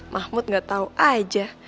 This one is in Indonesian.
mahmud gak tau aja